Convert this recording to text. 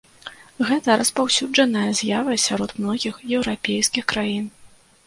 Гэта распаўсюджаная з'ява сярод многіх еўрапейскіх краін.